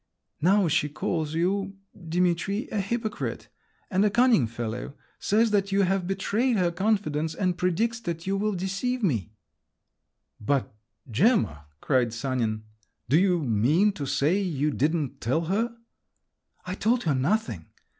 Now she calls you … Dimitri, a hypocrite and a cunning fellow, says that you have betrayed her confidence, and predicts that you will deceive me…." "But, Gemma," cried Sanin, "do you mean to say you didn't tell her?…" "I told her nothing!